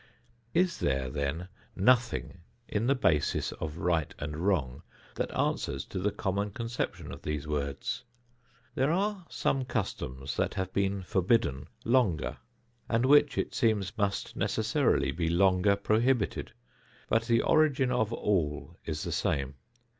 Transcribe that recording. Is there, then, nothing in the basis of right and wrong that answers to the common conception of these words? There are some customs that have been forbidden longer and which, it seems, must necessarily be longer prohibited; but the origin of all is the same.